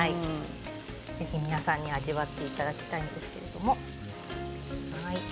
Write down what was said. ぜひ皆さんに味わっていただきたいんですけれども。